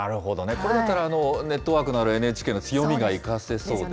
これだったら、ネットワークなど、ＮＨＫの強みが生かせそうですね。